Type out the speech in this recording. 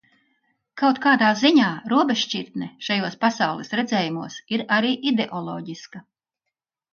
Kaut kādā ziņā robežšķirtne šajos pasaules redzējumos ir arī ideoloģiska.